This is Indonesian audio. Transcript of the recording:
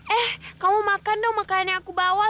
eh kamu makan dong makanan yang aku bawa